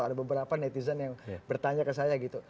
ada beberapa netizen yang bertanya ke saya gitu